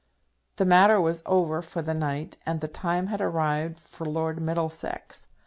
The matter was over for the night, and the time had arrived for Lord Middlesex.